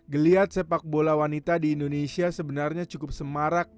geliat sepak bola wanita di indonesia sebenarnya cukup semarak